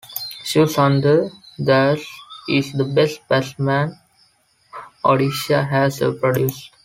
Shiv Sundar Das is the best batsman Odisha has ever produced.